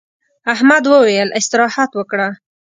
احمد وويل: استراحت وکړه.